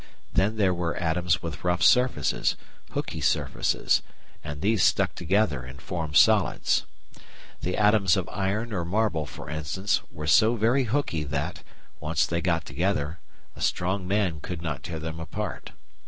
Then there were atoms with rough surfaces, "hooky" surfaces, and these stuck together and formed solids. The atoms of iron or marble, for instance, were so very hooky that, once they got together, a strong man could not tear them apart.